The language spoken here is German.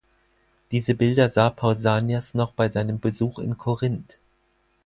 Diese Bilder sah Pausanias noch bei seinem Besuch in Korinth.